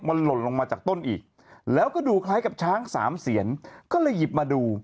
มันหล่นลงมาจากต้นอีกแล้วก็ดูคล้ายกับช้างสามเสียนก็เลยหยิบมาดู